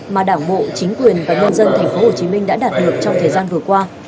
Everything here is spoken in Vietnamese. mà đảng bộ chính quyền và nhân dân tp hcm đã đạt được trong thời gian vừa qua